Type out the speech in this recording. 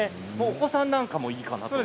お子さんなんかにもいいかなと。